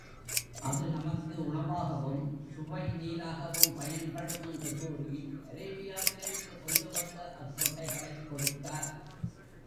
அது நமக்கு உணவாகவும், சுவை நீராகவும் பயன்படும் என்று கூறி அரேபியாவிலிருந்து கொண்டு வந்த அக்கொட்டைகளைக் கொடுத்தார்.